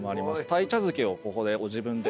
鯛茶漬けをここでご自分で。